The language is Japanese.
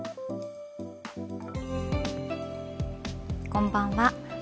こんばんは。